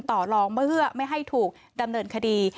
ตอรกมาเพื่อไม่ให้ถูกดำเนินคดี